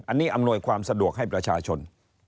อันนี้อำนวยความสะดวกให้ประชาชน